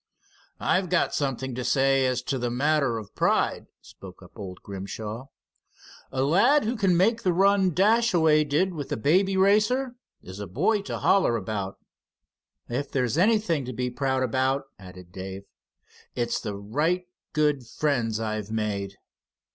"I've got something to say as to the matter of pride," spoke up old Grimshaw. "A lad who can make the run Dashaway did with the Baby Racer, is a boy to holler about." "If there's anything to be proud about," added Dave, "it's the right good friends I've made."